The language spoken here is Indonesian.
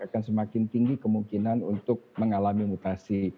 akan semakin tinggi kemungkinan untuk mengalami mutasi